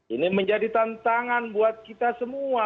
ini menjadi tantangan buat kita semua